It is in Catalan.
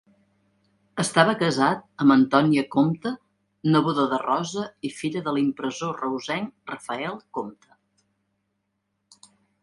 Estava casat amb Antònia Compte, neboda de Rosa i filla de l'impressor reusenc Rafael Compte.